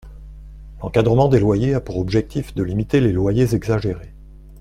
L’encadrement des loyers a pour objectif de limiter les loyers exagérés.